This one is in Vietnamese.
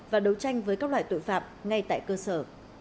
và đấu tranh với các loại tội phạm ngay tại cơ sở